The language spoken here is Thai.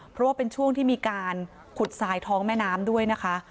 เพราะว่าเป็นช่วงที่มีการขุดทรายท้องแม่น้ำด้วยนะคะ